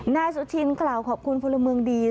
นายสุชินข่าวขอบคุณภูลมึงดี